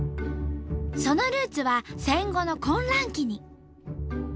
そのルーツは戦後の混乱期に。